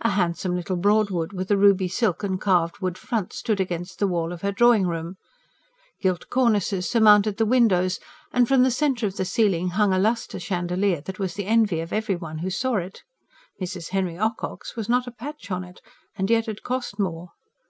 A handsome little Broadwood, with a ruby silk and carved wood front, stood against the wall of her drawing room; gilt cornices surmounted the windows; and from the centre of the ceiling hung a lustre chandelier that was the envy of every one who saw it: Mrs. Henry Ocock's was not a patch on it, and yet had cost more.